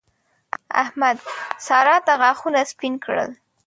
احمد؛ سارا ته غاښونه سپين کړل.